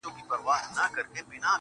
گراني دې ځاى كي دغه كار وچاته څه وركوي,